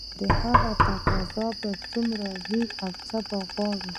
د هغه تقاضا به څومره وي او څه به غواړي